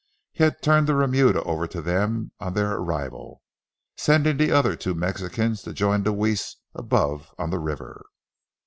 He had turned the remuda over to them on their arrival, sending the other two Mexicans to join Deweese above on the river.